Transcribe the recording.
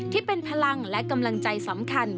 ที่เป็นพลังและกำลังใจสำคัญ